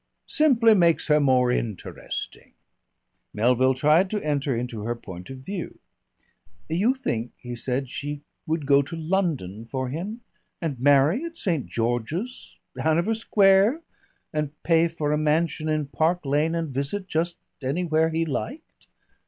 "Simply makes her more interesting." Melville tried to enter into her point of view. "You think," he said, "she would go to London for him, and marry at St. George's, Hanover Square, and pay for a mansion in Park Lane and visit just anywhere he liked?"